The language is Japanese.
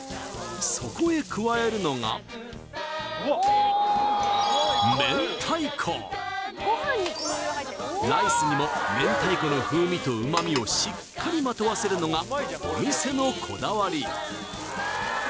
そこへ加えるのがライスにも明太子の風味と旨みをしっかりまとわせるのがお店のこだわり